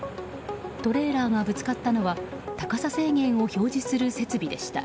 トレーラーがぶつかったのは高さ制限を表示する設備でした。